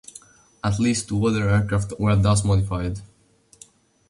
At least two other aircraft were thus modified.